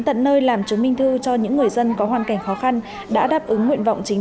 tận nơi làm chứng minh thư cho những người dân có hoàn cảnh khó khăn đã đáp ứng nguyện vọng chính